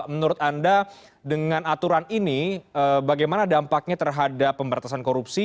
menurut anda dengan aturan ini bagaimana dampaknya terhadap pemberantasan korupsi